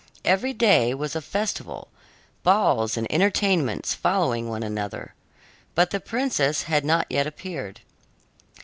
Every day was a festival, balls and entertainments following one another. But the princess had not yet appeared.